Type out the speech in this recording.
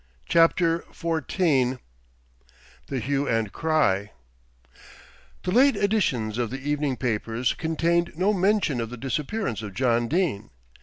CHAPTER XIV THE HUE AND CRY The late editions of the evening papers contained no mention of the disappearance of John Dene.